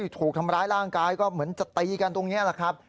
ถูกทำร้ายร่างกายก็เหมือนจะตีกันตรงนี้แหละครับ